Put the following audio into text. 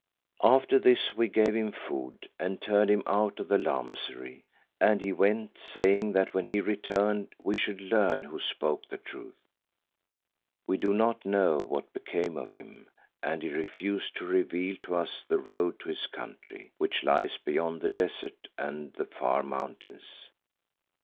"After this we gave him food and turned him out of the Lamasery, and he went, saying that when he returned we should learn who spoke the truth. We do not know what became of him, and he refused to reveal to us the road to his country, which lies beyond the desert and the Far Mountains.